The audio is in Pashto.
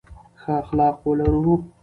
ښه اخلاق ولرو.